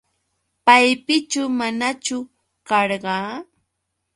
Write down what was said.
¿Paypichu manachu karqa?